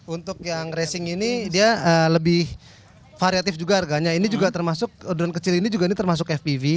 untuk yang racing ini dia lebih variatif juga harganya ini juga termasuk drone kecil ini juga ini termasuk fpv